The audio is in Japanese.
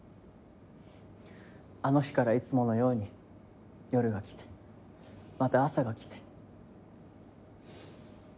あの日からいつものように夜が来てまた朝が来て。